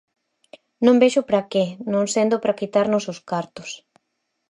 Non vexo pra que, non sendo pra quitarnos os cartos.